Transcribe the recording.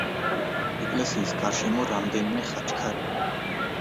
ეკლესიის გარშემო რამდენიმე ხაჩქარია.